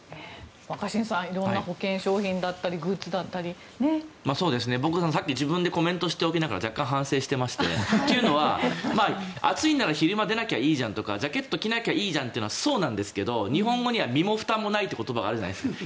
若新さん色んな保険商品だったり僕、さっき自分でコメントしておきながら反省してまして、というのは暑いなら昼出なければいいじゃんとかジャケット着なきゃいいじゃんというのはそうなんですが日本語には身もふたもないという言葉があるじゃないですか。